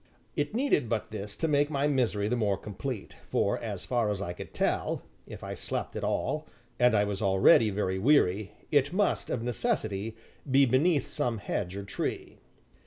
It needed but this to make my misery the more complete, for, as far as I could tell, if I slept at all (and I was already very weary), it must, of necessity, be beneath some hedge or tree.